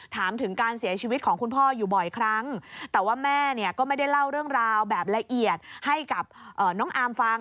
ถามถึงการเสียชีวิตของคุณพ่ออยู่บ่อยครั้งแต่ว่าแม่เนี่ยก็ไม่ได้เล่าเรื่องราวแบบละเอียดให้กับน้องอามฟัง